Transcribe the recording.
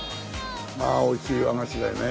ああおいしい和菓子だよね。